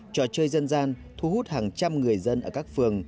trò chơi dân gian thu hút hàng trăm người dân ở các phường